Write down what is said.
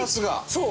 そう。